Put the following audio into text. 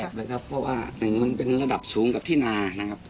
ครับทั้งแถบเลยครับเพราะว่าหนึ่งมันเป็นระดับสูงกับที่นานะครับ